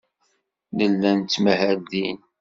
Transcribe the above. Nella nettmahal din.